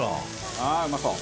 ああーうまそう！